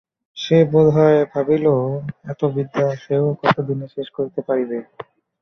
সে বোধ হয় ভাবিল, এত বিদ্যা সেও কত দিনে শেষ করিতে পারিবে।